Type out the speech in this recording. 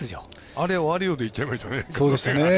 あれよあれよでいっちゃいましたね。